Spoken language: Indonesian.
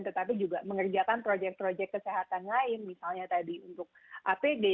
tetapi juga mengerjakan proyek proyek kesehatan lain misalnya tadi untuk apd